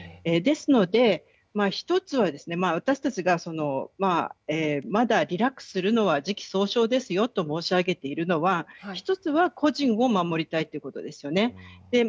ですので、１つは私たちがまだリラックスするのは時期尚早ですよと申し上げているのは１つは個人を守りたいということですよね。